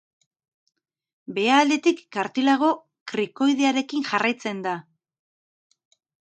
Behealdetik kartilago krikoidearekin jarraitzen da.